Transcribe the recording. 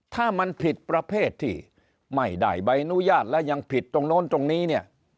ถ้ามันผิดประเภทที่ไม่ได้ใบอนุญาตและยังผิดตรงโน้นตรงนี้เนี่ย